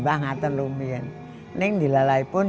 saya tidak tahu apa yang saya lakukan